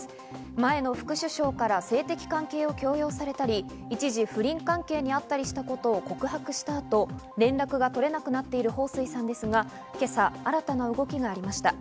前の副首相から性的関係を強要されたり、一時不倫関係にあったりしたことを告白した後、連絡が取れなくなっているホウ・スイさんですが、今朝、新たな動きがありました。